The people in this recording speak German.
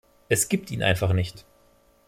Es gibt ihn einfach nicht.